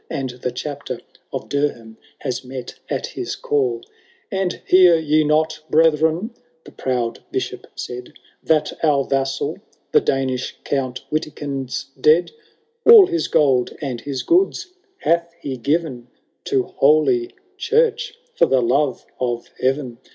And the Chapter of Durham has met at his call. And hear ye not, brethren, the proud Bishop said, *« That our vassal, the Danish Count Witikind*s dead ? All his gold and his goods hath he given To holy church for the love of heaven.